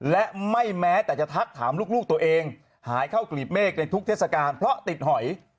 และไม่แม้แต่จะทักถามลูกตัวเองหายเข้ากลีบเมฆในทุกเทศกาลเพราะติดหอย